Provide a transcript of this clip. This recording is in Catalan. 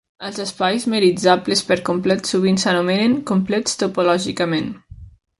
Els espais metritzables per complet sovint s'anomenen "complets topològicament".